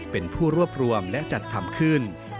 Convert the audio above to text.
เป็นผู้รวบรวมและจัดทำขึ้น